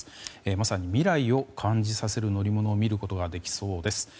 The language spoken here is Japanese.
まさに未来を感じさせる乗り物を見ることができそうです。